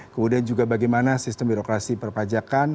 kemudian juga bagaimana sistem birokrasi perpajakan